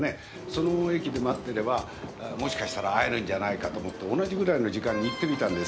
その駅で待ってればもしかしたら会えるんじゃないかと思って同じぐらいの時間に行ってみたんです。